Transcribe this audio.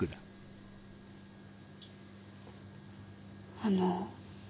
あの。